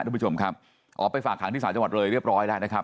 ทุกผู้ชมครับอ๋อไปฝากหางที่ศาลจังหวัดเลยเรียบร้อยแล้วนะครับ